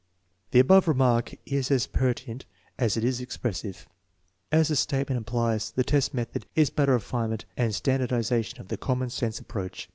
The above remark is as pertinent as it is expressive. As the statement implies, the test method is but a refine ment and standardization of the common sense approach.